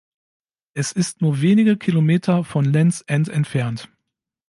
Es ist nur wenige Kilometer von Land’s End entfernt.